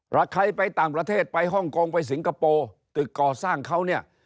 ถ้าใครไปต่างประเทศไปฮ่องกงไปสิงคโปร์ตึกก่อสร้างเขาเนี่ย